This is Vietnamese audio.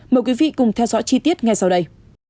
mời quý vị cùng theo dõi chi tiết ngay sau đây